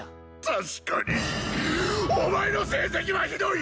確かにお前の成績はひどい！